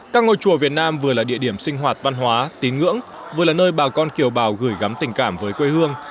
các ngôi chùa việt nam vừa là địa điểm sinh hoạt văn hóa tín ngưỡng vừa là nơi bà con kiều bào gửi gắm tình cảm với quê hương